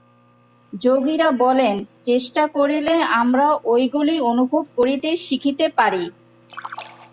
যোগীরা বলেন, চেষ্টা করিলে আমরা ঐগুলি অনুভব করিতে শিখিতে পারি।